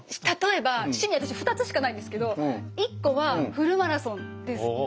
例えば趣味私２つしかないんですけど１個はフルマラソンです。